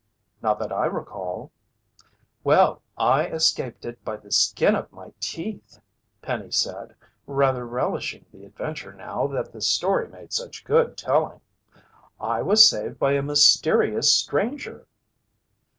"Not that I recall." "Well, I escaped it by the skin of my teeth," Penny said, rather relishing the adventure now that the story made such good telling. "I was saved by a mysterious stranger!"